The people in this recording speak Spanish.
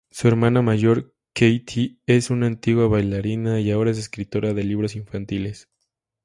Su hermana mayor, Katie, es una antigua bailarina y ahora escritora de libros infantiles.